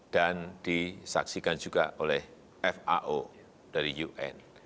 dan disaksikan juga oleh fao dari un